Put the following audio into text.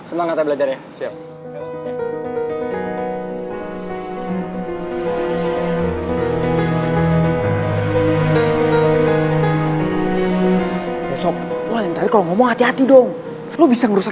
semangat kak belajar ya